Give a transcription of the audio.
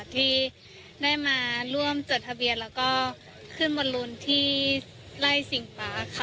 ที่ได้มาร่วมจดทะเบียนแล้วก็ขึ้นบนลุนที่ไล่สิ่งป๊าค่ะ